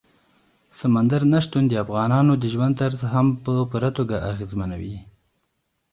سمندر نه شتون د افغانانو د ژوند طرز هم په پوره توګه اغېزمنوي.